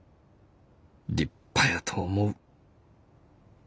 立派やと思う」。